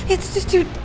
itu tuh itu tuh